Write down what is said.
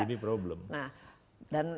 ini problem nah dan